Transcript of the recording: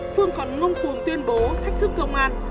phương còn ngông cuồng tuyên bố thách thức công an